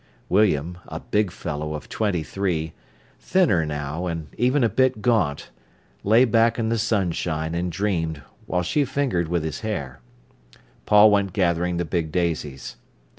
William, a big fellow of twenty three, thinner now and even a bit gaunt, lay back in the sunshine and dreamed, while she fingered with his hair. Paul went gathering the big daisies.